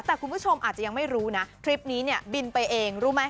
แต่คุณผู้ชมอาจจะยังไม่รู้นะคลิปนี้เนี่ยบินไปเองรู้ไหม